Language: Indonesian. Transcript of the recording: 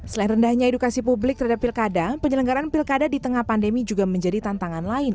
selain rendahnya edukasi publik terhadap pilkada penyelenggaran pilkada di tengah pandemi juga menjadi tantangan lain